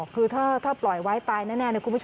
คือถ้าปล่อยไว้ตายแน่นะคุณผู้ชม